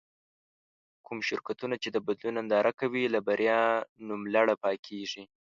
کوم شرکتونه چې د بدلون ننداره کوي له بريا نوملړه پاکېږي.